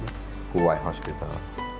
jadi puhai hospital